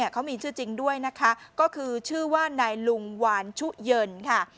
เขามีชื่อจริงด้วยนะคะก็คือชื่อว่านายลุงวานชุเยินค่ะ